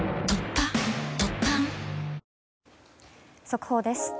速報です。